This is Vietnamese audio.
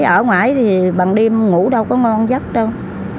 ở ngoài thì bằng đêm ngủ đâu có ngon giấc đâu